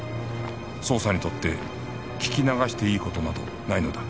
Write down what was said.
捜査にとって聞き流していい事などないのだ